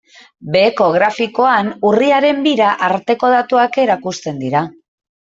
Beheko grafikoan urriaren bira arteko datuak erakusten dira.